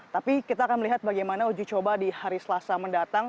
tapi kita akan melihat bagaimana uji coba di hari selasa mendatang